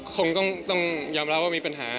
ก็คงต้องย้ำแล้วว่ามันมีปัญหา